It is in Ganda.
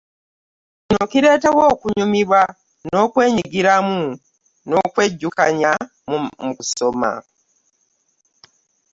Kino kireetawo okunyumirwa, okwenyigiramu n’okwejjukanya mu kusoma.